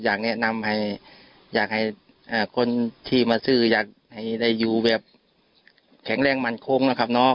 อยากแนะนำให้อยากให้คนที่มาซื้ออยากให้ได้อยู่แบบแข็งแรงมั่นคงนะครับน้อง